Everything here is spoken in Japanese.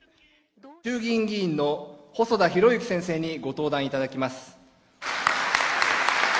衆議院議員の細田博之先生にご登壇いただきます。